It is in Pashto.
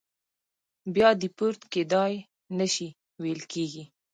بیا دیپورت کېدای نه شي ویل کېږي.